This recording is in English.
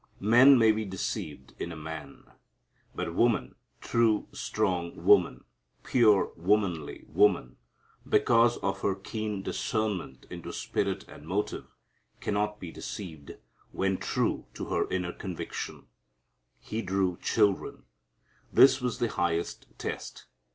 Men may be deceived in a man. But woman, true strong woman, pure womanly woman, because of her keen discernment into spirit and motive, cannot be deceived, when true to her inner conviction. He drew children. This was the highest test.